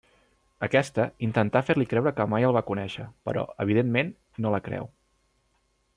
Aquesta, intenta fer-li creure que mai no el va conèixer però, evidentment, no la creu.